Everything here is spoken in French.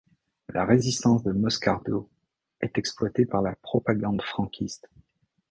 La résistance de Moscardó est exploitée par la propagande franquiste.